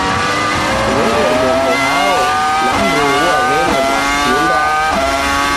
W'ele moko hao, namroghua w'ele mwasinda?